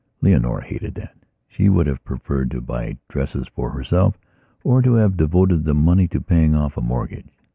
Leonora hated that; she would have preferred to buy dresses for herself or to have devoted the money to paying off a mortgage.